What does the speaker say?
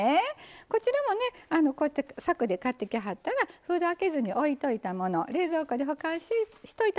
こちらもねこうやってさくで買ってきはったら開けずにおいといたもの冷蔵庫で保管しといたものを使いますね。